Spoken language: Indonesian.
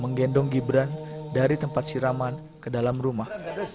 menggendong gibran dari tempat siraman ke dalam rumah